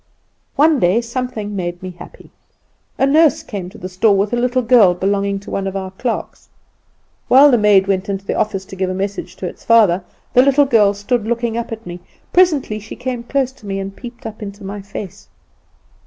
"Only one day something made me happy. A nurse came to the store with a little girl belonging to one of our clerks. While the maid went into the office to give a message to its father, the little child stood looking at me. Presently she came close to me and peeped up into my face.